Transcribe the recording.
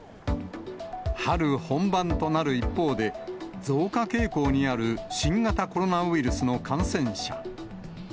春本番となる一方で、増加傾向にある新型コロナウイルスの感染者。